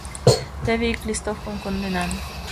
Теве ик листовкым конденам.